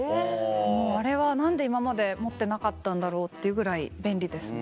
あれは何で今まで持ってなかったんだろうっていうぐらい便利ですね。